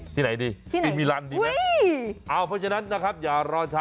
ที่ไหนดีซีมิลันดีหรอนะอื้าพอฉะนั้นอย่ารอช้า